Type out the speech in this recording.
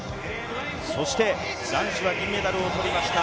そして男子は銀メダルを取りました